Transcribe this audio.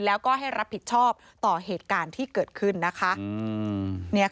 แล้วก็ให้รับผิดชอบต่อเหตุการณ์ที่เกิดขึ้นนะคะ